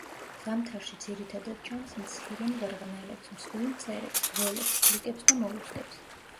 ზამთარში ძირითადად ჭამს მცირე მღრღნელებს, მსხვილ მწერებს, გველებს, ხვლიკებს და მოლუსკებს.